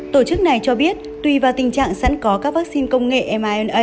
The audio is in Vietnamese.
tổ chức này cho biết tuy vào tình trạng sẵn có các vaccine công nghệ mrna